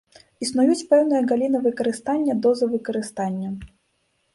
Існуюць пэўныя галіны выкарыстання, дозы выкарыстання.